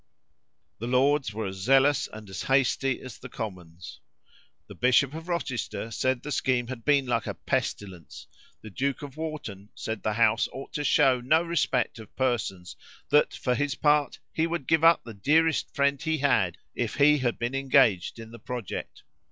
The Lords were as zealous and as hasty as the Commons. The Bishop of Rochester said the scheme had been like a pestilence. The Duke of Wharton said the House ought to shew no respect of persons; that, for his part, he would give up the dearest friend he had, if he had been engaged in the project.